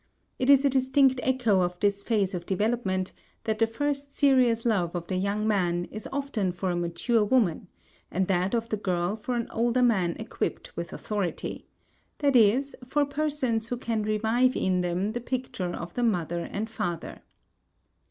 It is a distinct echo of this phase of development that the first serious love of the young man is often for a mature woman and that of the girl for an older man equipped with authority i.e., for persons who can revive in them the picture of the mother and father.